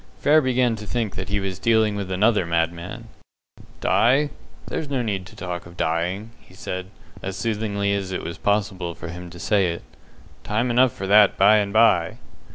Frere began to think that he was dealing with another madman. "Die! There's no need to talk of dying," he said, as soothingly as it was possible for him to say it. "Time enough for that by and by."